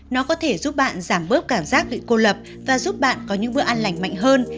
nó có thể giúp bạn giảm bớt cảm giác bị cô lập và giúp bạn có những bữa ăn lành mạnh hơn